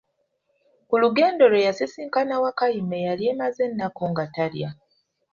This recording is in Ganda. Ku lugendo lwe yasisinkana Wakayima eyali amaze ennaku nga talya.